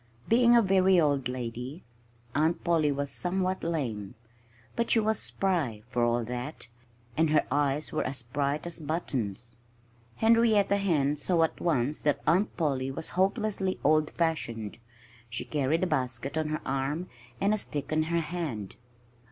Being a very old lady, Aunt Polly was somewhat lame. But she was spry, for all that. And her eyes were as bright as buttons. Henrietta Hen saw at once that Aunt Polly was hopelessly old fashioned. She carried a basket on her arm, and a stick in her hand.